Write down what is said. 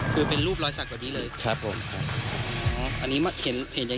ครับครับกลับมานี่กันได้๒เดือนกว่า